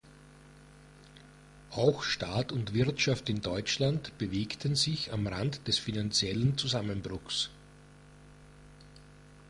Auch Staat und Wirtschaft in Deutschland bewegten sich am Rand des finanziellen Zusammenbruchs.